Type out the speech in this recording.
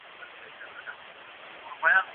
پوهان به د ټولنې ستونزې حل کړي.